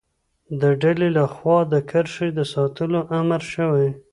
د ډلې له خوا د کرښې د ساتلو امر شوی.